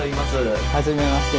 はじめまして。